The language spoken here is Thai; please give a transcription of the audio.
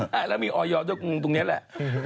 น่าจะมีออยยอดตรงนี้แหละ